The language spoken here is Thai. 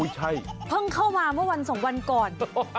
ใช่เพิ่งเข้ามาเมื่อวันสองวันก่อน